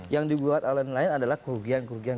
yang dibuat oleh nelayan adalah kerugian kerugian